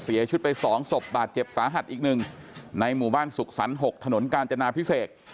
เสียชีวิตไป๒ศพบาดเจ็บสาหัสอีกหนึ่งในหมู่บ้านสุขสรรค์๖ถนนกาญจนาพิเศษ